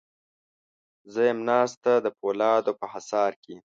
زه یم ناسته د پولادو په حصار کې